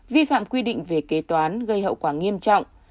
vi phạm quy định về kế toán gây hậu quả nghiêm trọng